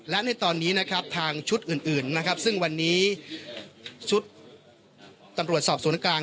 และในตอนนี้ทางชุดอื่นซึ่งวันนี้ชุดตำรวจสอบสวนกลาง